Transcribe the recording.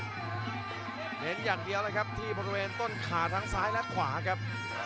เห็นอย่างเดียวเลยครับที่บริเวณต้นขาทั้งซ้ายและขวาครับ